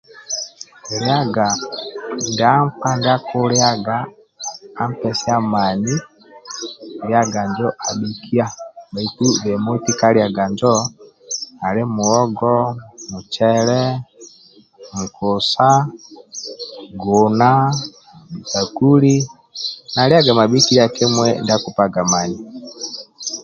Lyaga ndia nkpa ndia kuliaga apesia mani liaga njo aikia bhetu bemoti kaliaga njo ali muhogo mucele nkusa guna bhitakuli na liaga bha bhikilia kimui ndia kupaga mani